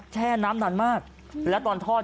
แช่น้ำนานมากแล้วตอนทอด